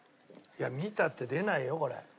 見たって出ないよこれ。